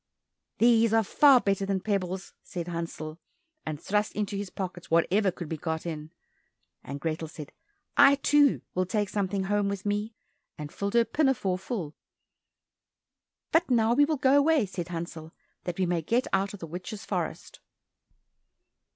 "These are far better than pebbles!" said Hansel, and thrust into his pockets whatever could be got in, and Grethel said, "I, too, will take something home with me," and filled her pinafore full. "But now we will go away." said Hansel, "that we may get out of the witch's forest."